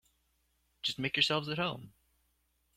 Just make yourselves at home.